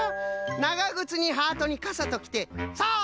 ながぐつにハートにかさときてさあ